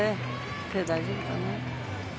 手、大丈夫かな？